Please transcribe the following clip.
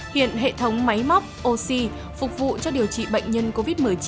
hiện hệ thống máy móc oxy phục vụ cho điều trị bệnh nhân covid một mươi chín